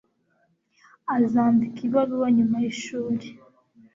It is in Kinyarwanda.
Azandika ibaruwa nyuma yishuri.